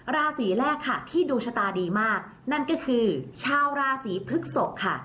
ราศีแรกค่ะที่ดวงชะตาดีมากนั่นก็คือชาวราศีพฤกษกค่ะ